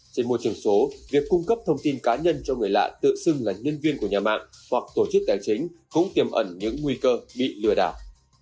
trên môi trường số việc cung cấp thông tin cá nhân cho người lạ tự xưng là nhân viên của nhà mạng hoặc tổ chức tài chính cũng tiềm ẩn những nguy cơ bị lừa đảo